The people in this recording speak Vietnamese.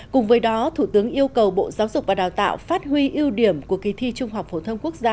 cùng với đó thủ tướng yêu cầu bộ giáo dục và đào tạo phát huy ưu điểm của kỳ thi trung học phổ thông quốc gia